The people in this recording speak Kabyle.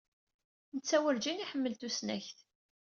Netta werǧin iḥemmel tusnakt.